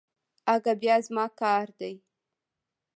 اگه بيا زما کار دی.